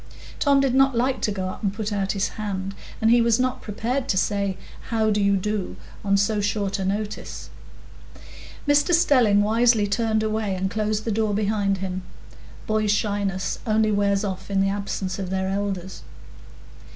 Tom did not like to go up and put out his hand, and he was not prepared to say, "How do you do?" on so short a notice. Mr Stelling wisely turned away, and closed the door behind him; boys' shyness only wears off in the absence of their elders.